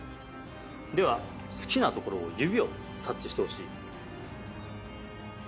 では好きな所を指でタッチしてほしい。